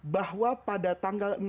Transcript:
bahwa pada tanggal